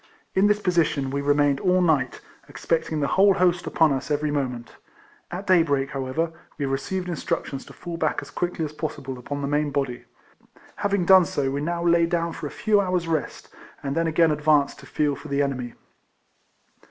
In this position we remained all night, expect ing the whole host upon us every moment. At day break, however, we received instruc tions to fall back as quickly as possible upon the main body. Having done so, we now lay down for a few hours' rest, and then again advanced to feel for the enemy.